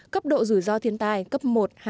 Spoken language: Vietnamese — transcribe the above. cấp độ rủi ro thiên tai cấp một hai